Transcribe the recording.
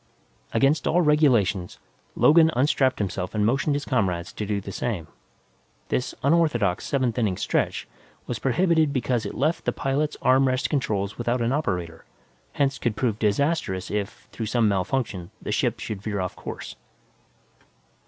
Against all regulations, Logan unstrapped himself and motioned his comrades to do the same. This unorthodox seventh inning stretch was prohibited because it left the pilot's arm rest controls without an operator, hence could prove disastrous if, through some malfunction, the ship should veer off course.